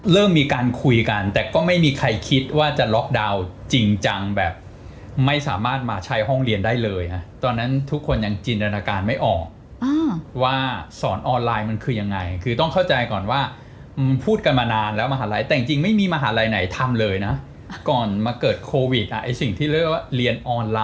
เริ่มมีการคุยกันแต่ก็ไม่มีใครคิดว่าจะล็อกดาวน์จริงจังแบบไม่สามารถมาใช้ห้องเรียนได้เลย